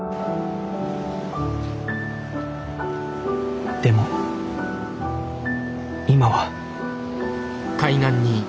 心の声でも今は。